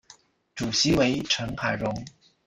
主席为成海荣。